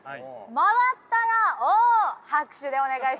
回ったら「お」拍手でお願いします。